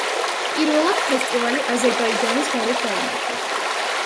პირველად ფესტივალი აზერბაიჯანის გარეთ გაიმართა.